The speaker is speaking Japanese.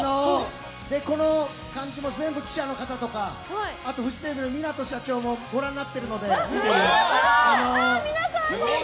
この感じも全部記者の方とかあとフジテレビの港社長もご覧になっているので。